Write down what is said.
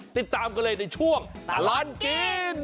ติดตามกันเลยในช่วงตลอดกิน